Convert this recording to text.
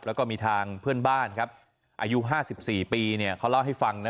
แล้วก็มีทางเพื่อนบ้านครับอายุ๕๔ปีเนี่ยเขาเล่าให้ฟังนะ